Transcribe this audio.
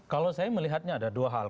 kalau saya melihatnya ada dua hal